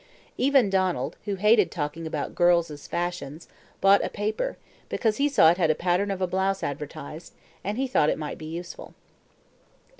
Even Donald, who hated talking about "girls' fashions," bought a paper, because he saw it had a pattern of a blouse advertised, and he thought it might be useful.